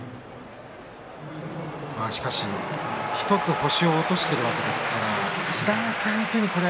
しかし、１つ星を落としているわけですから。